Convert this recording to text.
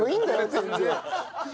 全然。